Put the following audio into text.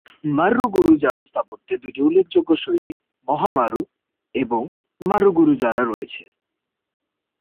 মার্রু-গুরুজারা স্থাপত্যের দুটি উল্লেখযোগ্য শৈলী মহা-মারু এবং মারু-গুরজারা রয়েছে।